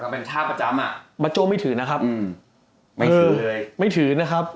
อ่าก็เป็นโทรศาสตร์ประจำอ่ะบาโจไม่ถือกับอืมไม่ถือเลย